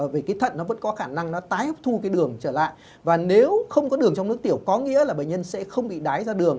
vì cái thận nó vẫn có khả năng nó tái hấp thu cái đường trở lại và nếu không có đường trong nước tiểu có nghĩa là bệnh nhân sẽ không bị đái ra đường